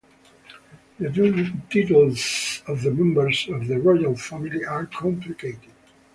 The titles of the members of the royal family are complicated.